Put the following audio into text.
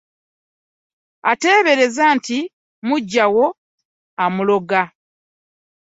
Atebereza nti mujjawe amuloga.